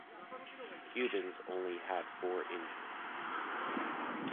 Cubans only had four injured.